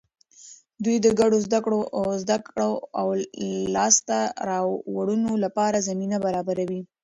دوی د ګډو زده کړو او لاسته راوړنو لپاره زمینه برابروي.